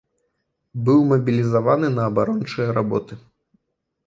Быў мабілізаваны на абарончыя работы.